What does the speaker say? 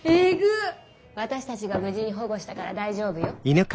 私たちが無事に保護したから大丈夫よ。